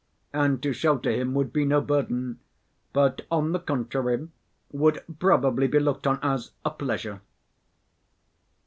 And to shelter him would be no burden, but, on the contrary, would probably be looked on as a pleasure."